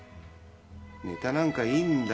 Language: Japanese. ネタなんかいいんだよ。